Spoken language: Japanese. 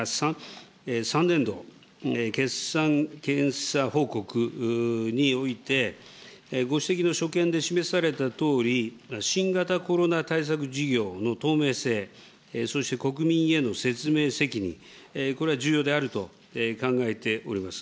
３年度決算検査報告において、ご指摘の所見で示されたとおり、新型コロナ対策事業の透明性、そして国民への説明責任、これは重要であると考えております。